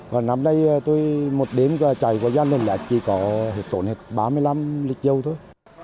còn năm nay tôi một đêm chạy qua gia đình là chỉ có tổn hết ba mươi năm lịch dầu thôi